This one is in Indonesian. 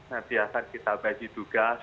nanti akan kita bagi tugas